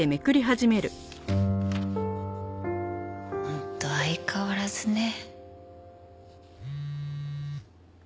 本当相変わらずね。